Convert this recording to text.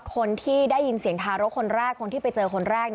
คนที่ได้ยินเสียงทารกคนแรกคนที่ไปเจอคนแรก